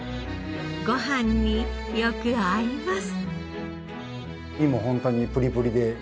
ご飯によく合います。